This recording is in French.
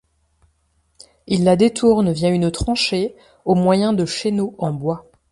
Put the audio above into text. Ils la détournent via une tranchée au moyen de chéneaux en bois.